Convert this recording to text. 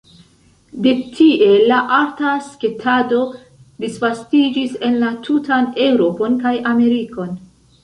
De tie la arta sketado disvastiĝis en la tutan Eŭropon kaj Amerikon.